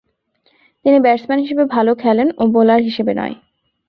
তিনি ব্যাটসম্যান হিসেবে ভালো খেলেন ও বোলার হিসেবে নয়।